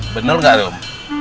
bener gak rum